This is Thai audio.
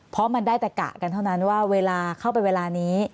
เพราะมันได้แต่กะกันเท่านั้นว่าเวลาเข้าไปเวลานี้